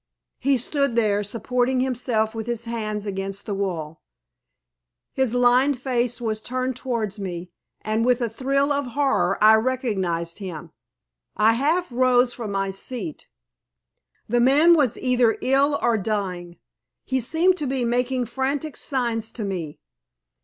He stood there supporting himself with his hands against the wall. His lined face was turned towards me, and, with a thrill of horror, I recognized him. I half rose from my seat. The man was either ill or dying. He seemed to be making frantic signs to me.